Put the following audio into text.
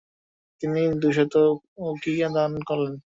তিনি দুই শত উকিয়া দান করলেন।